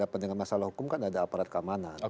pada pendidikan masalah hukum kan ada aparat keamanan